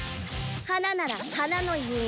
花なら花の弓。